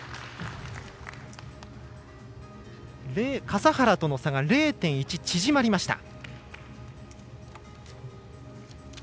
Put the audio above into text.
笠原との差が０．１縮まりました。